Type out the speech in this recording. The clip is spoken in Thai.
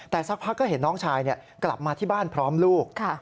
แต่สักพักก็เห็นน้องชายกลับมาที่บ้านพร้อมลูก